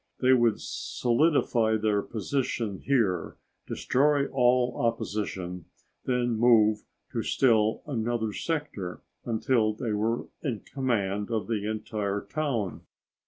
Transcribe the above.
They would solidify their position here, destroy all opposition, then move to still another sector until they were in command of the entire town.